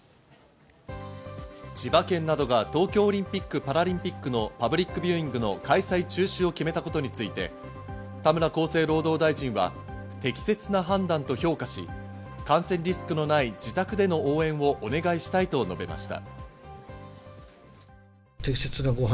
千葉県などが東京オリンピック・パラリンピックのパブリックビューイングの開催中止を決めたことについて、田村厚生労働大臣は適切な判断と評価し、感染リスクのない自宅での応援をお願いしたいと述べました。